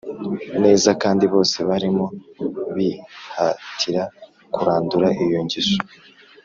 Nezakandi bose barimo bihatira kurandura iyo ngeso